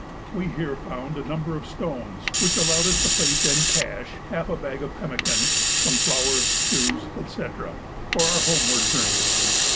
We here found a number of stones which allowed us to place "en cache" half a bag of pemmican, some flour, shoes, &c., for our homeward journey.